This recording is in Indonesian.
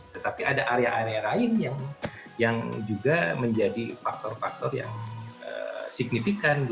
tetapi ada area area lain yang juga menjadi faktor faktor yang signifikan